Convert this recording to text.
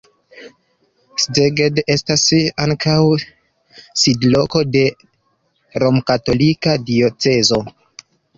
Szeged estas ankaŭ sidloko de romkatolika diocezo.